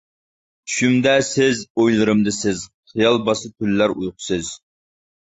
چۈشۈمدە سىز، ئويلىرىمدا سىز، خىيال باستى تۈنلەر ئۇيقۇسىز.